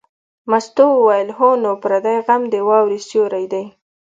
مستو وویل: هو نو پردی غم د واورې سیوری دی.